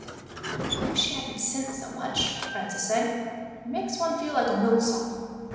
"I wish he hadn't sent so much," Francis said. "It makes one feel like a milksop.